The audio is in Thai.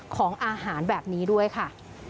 ของอาหารแบบนี้ด้วยค่ะ